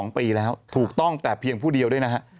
๒ปีแล้วถูกต้องแต่เพียงผู้เดียวด้วยนะฮะ